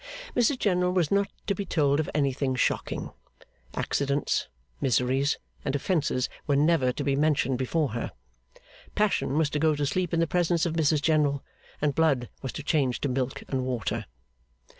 Mrs General was not to be told of anything shocking. Accidents, miseries, and offences, were never to be mentioned before her. Passion was to go to sleep in the presence of Mrs General, and blood was to change to milk and water.